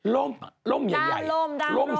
ลมลมใหญ่ลมสนานดามลม